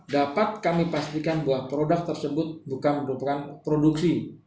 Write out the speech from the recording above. dapat kami pastikan bahwa produk tersebut bukan merupakan produksi